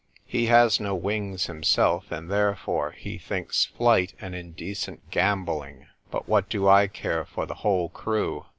He has no wings himself, and therefore he thinks flight an indecent gambol Hng. But what do I care for the whole crew